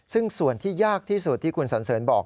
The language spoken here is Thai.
ซึ่งส่วนที่ยากที่สุดที่คุณสันเสริญบอก